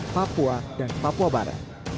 papua dan papua barat